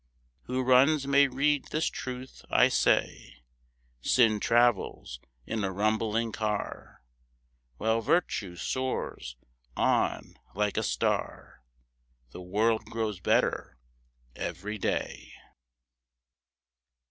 Who runs may read this truth, I say: Sin travels in a rumbling car, While Virtue soars on like a star The world grows better every day.